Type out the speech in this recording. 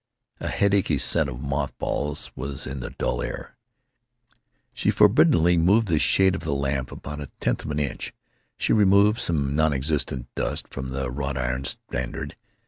A headachy scent of moth balls was in the dull air. She forbiddingly moved the shade of the lamp about a tenth of an inch. She removed some non existent dust from the wrought iron standard.